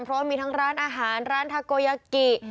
เพราะว่ามีทั้งร้านอาหารร้านทาโกยากิ